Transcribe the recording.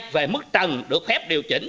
về mức trần được phép điều chỉnh